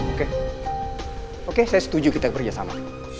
oke oke saya setuju kita kerjasama